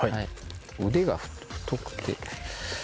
腕が太くて。